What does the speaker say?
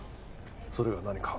それが何か？